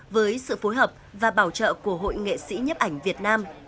với sự phối hợp và bảo trợ của hội nghệ sĩ nhấp ảnh việt nam